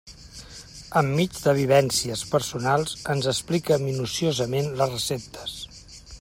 Enmig de vivències personals, ens explica minuciosament les receptes.